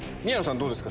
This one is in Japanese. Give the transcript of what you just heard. どうですか？